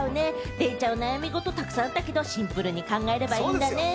デイちゃんは悩み事、たくさんだけど、シンプルに考えればいいんだね。